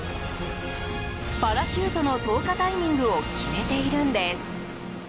パラシュートの投下タイミングを決めているんです。